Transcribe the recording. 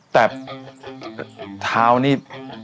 แต่เท้านี่